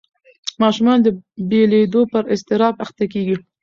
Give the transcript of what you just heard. ماشومان د بېلېدو پر اضطراب اخته کېږي.